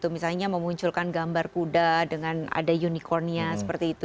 misalnya memunculkan gambar kuda dengan ada unicornnya seperti itu